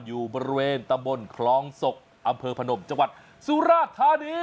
อยู่บริเวณตำบลคลองศกอำเภอพนมจังหวัดสุราธานี